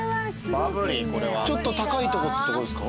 ちょっと高いとこってことですか？